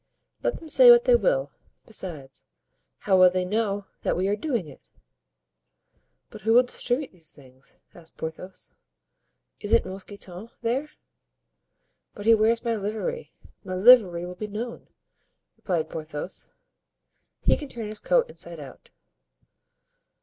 "Let them say what they will; besides, how will they know that we are doing it?" "But who will distribute these things?" asked Porthos. "Isn't Mousqueton there?" "But he wears my livery; my livery will be known," replied Porthos. "He can turn his coat inside out."